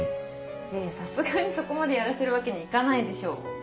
いやいやさすがにそこまでやらせるわけにいかないでしょ。